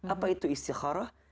apa itu istikharah